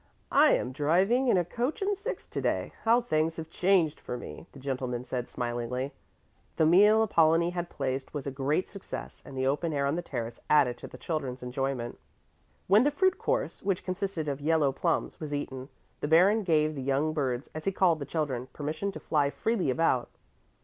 "I am driving in a coach and six to day! How things have changed for me!" the gentleman said smilingly. The meal Apollonie had planned was a great success and the open air on the terrace added to the children's enjoyment. When the fruit course, which consisted of yellow plums, was eaten, the Baron gave the young birds, as he called the children, permission to fly freely about.